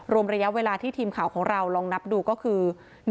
ระยะเวลาที่ทีมข่าวของเราลองนับดูก็คือ